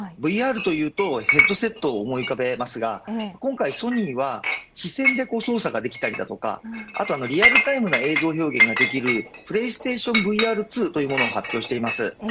ＶＲというとヘッドセットを思い浮かべますが今回ソニーは視線で操作ができたりだとかリアルタイムな映像表現ができるＰｌａｙＳｔａｔｉｏｎＶＲ２というものを発表しています。